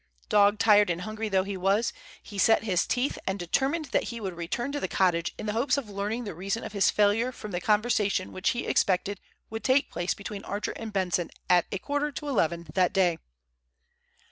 Dog tired and hungry though he was, he set his teeth and determined that he would return to the cottage in the hope of learning the reason of his failure from the conversation which he expected would take place between Archer and Benson at a quarter to eleven that day.